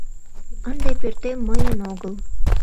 Ынде пӧртем мыйын огыл».